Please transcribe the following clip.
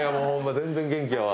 全然元気やわ。